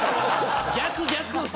「逆逆！」